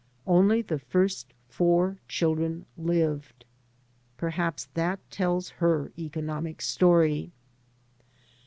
Only the first four children lived. Perhaps that tells her economic story.